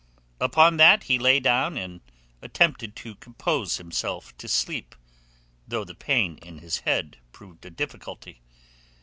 Upon that he lay down and attempted to compose himself to sleep, though the pain in his head proved a difficulty.